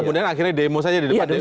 kemudian akhirnya demos aja di depan dpr